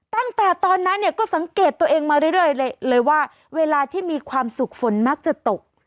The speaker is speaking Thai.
ตั้งแต่ตอนนั้นเนี่ยก็สังเกตตัวเองมาเรื่อยเลยว่าเวลาที่มีความสุขฝนมักจะตก